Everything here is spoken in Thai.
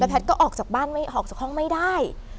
แพทย์ก็ออกจากบ้านไม่ออกจากห้องไม่ได้